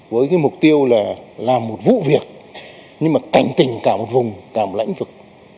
với mục tiêu là làm một vụ việc nhưng mà cảnh tình cả một vùng cả một lãnh vực